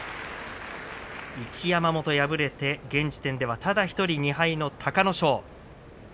一山本、敗れて現時点ではただ１人、２敗の隆の勝。